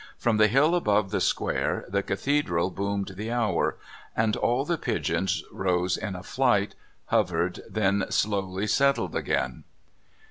From the hill above the square the Cathedral boomed the hour, and all the pigeons rose in a flight, hovered, then slowly settled again.